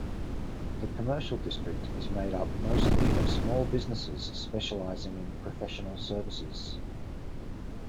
The commercial district is made up mostly of small businesses specialising in professional services.